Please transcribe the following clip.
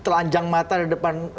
telanjang mata di depan